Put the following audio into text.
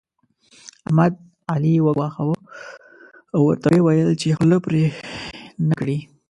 احمد؛ علي وګواښه او ورته ويې ويل چې خوله پرې نه کړې.